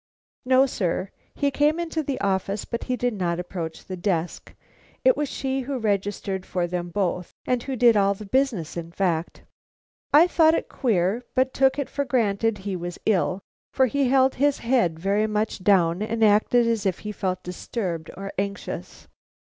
"No, sir. He came into the office, but he did not approach the desk. It was she who registered for them both, and who did all the business in fact. I thought it queer, but took it for granted he was ill, for he held his head very much down, and acted as if he felt disturbed or anxious."